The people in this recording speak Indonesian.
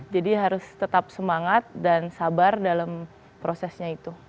jadi harus tetap semangat dan sabar dalam prosesnya itu